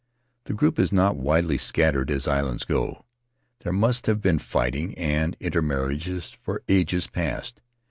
The group is not widely scattered as islands go; there must have been fighting and intermarriage for ages past.